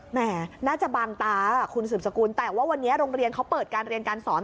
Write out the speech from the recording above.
แม่น่าจะบางตาคุณสืบสกุลแต่ว่าวันนี้โรงเรียนเขาเปิดการเรียนการสอน